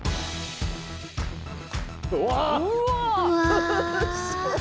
うわ！